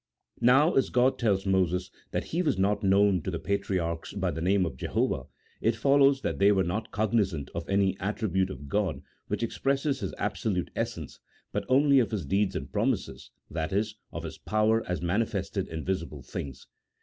Now, as God tells Moses that He was not known to the patriarchs by the name of Jehovah, it follows that they were not cognizant of any attribute of God which expresses His absolute essence, but only of His deeds and promises — that is, of His power, as manifested in visible tilings.